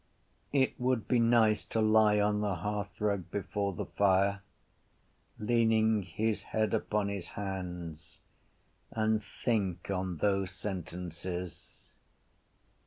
It would be nice to lie on the hearthrug before the fire, leaning his head upon his hands, and think on those sentences.